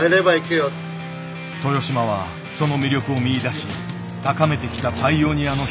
豊島はその魅力を見いだし高めてきたパイオニアの一人。